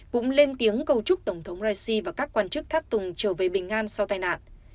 cũng lên tiếng cầu chúc tổng thống raisi và các quan chức tháp tùng trở về bình an sau tai nạn